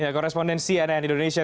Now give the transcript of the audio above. korespondensi cnn indonesia